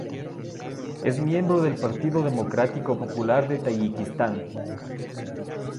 Es miembro del Partido Democrático Popular de Tayikistán.